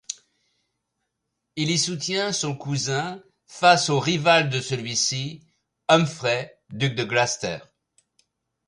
Il y soutient son cousin face au rival de celui-ci, Humphrey, duc de Gloucester.